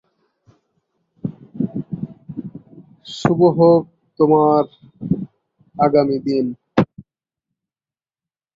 তাদের অর্ণব নামে এক পুত্র সন্তান রয়েছে।